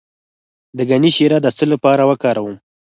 د ګني شیره د څه لپاره وکاروم؟